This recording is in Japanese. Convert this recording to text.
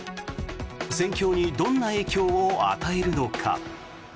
戦況にどんな影響を与えるのか。